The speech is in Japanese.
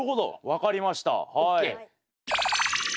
分かりましたはい。